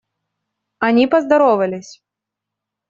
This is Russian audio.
Они поздоровались.